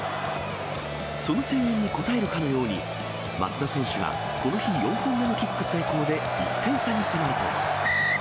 その声援に応えるかのように、松田選手が、この日、４本目のキック成功で１点差に迫ると。